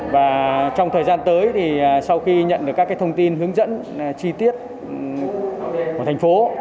và trong thời gian tới thì sau khi nhận được các thông tin hướng dẫn chi tiết của thành phố